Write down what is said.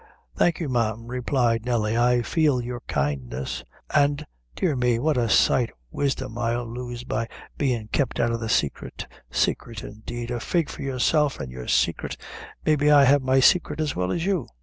"Thank you, ma'am," replied Nelly; "I feel your kindness an,' dear me, what a sight o' wisdom I'll lose by bein' kep' out o' the saicret saicret indeed! A fig for yourself an' your saicret; maybe I have my saicret as well as you."